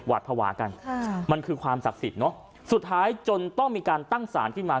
หวาดภาวะกันค่ะมันคือความศักดิ์สิทธิ์เนอะสุดท้ายจนต้องมีการตั้งสารขึ้นมา